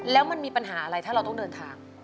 แล้วมันมีปัญหาอะไรถ้าเราต้องเดินทาง